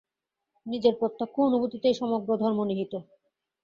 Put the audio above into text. নিজের প্রত্যক্ষ অনুভুতিতেই সমগ্র ধর্ম নিহিত।